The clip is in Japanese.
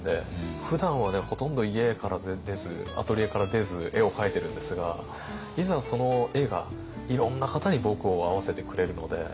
ふだんはねほとんど家から出ずアトリエから出ず絵を描いてるんですがいざその絵がいろんな方に僕を会わせてくれるので。